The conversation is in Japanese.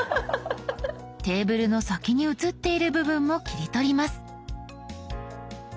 テーブルの先に写っている部分も切り取ります。